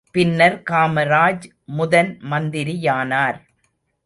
பின்னர் காமராஜ் முதன் மந்திரியானார்.